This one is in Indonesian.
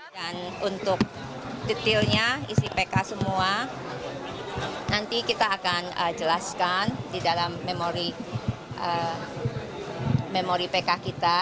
untuk detailnya isi pk semua nanti kita akan jelaskan di dalam memori memori pk kita